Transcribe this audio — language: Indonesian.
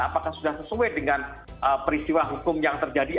apakah sudah sesuai dengan peristiwa hukum yang terjadi